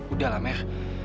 udah lah meh